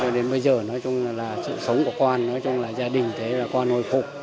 đến bây giờ nói chung là sự sống của con nói chung là gia đình thế là con hồi phục